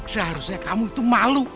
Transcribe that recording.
seharusnya kamu itu malu